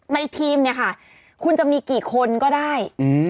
ในทีมเนี่ยค่ะคุณจะมีกี่คนก็ได้